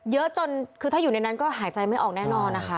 เยอะจนคือถ้าอยู่ในนั้นก็หายใจไม่ออกแน่นอนนะคะ